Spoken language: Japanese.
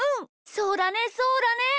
そうだねそうだね！